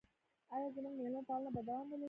آیا زموږ میلمه پالنه به دوام ولري؟